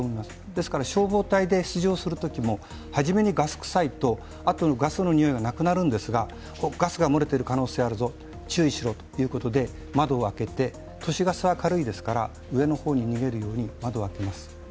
ですから消防隊で出動するときも、初めにガス臭いと、あとにガスの臭いになくなることがあるんですが、ガスが漏れてる可能性あるぞ、注意しろと窓を開けて、都市ガスは軽いですから上の方に逃げるように窓を開けます。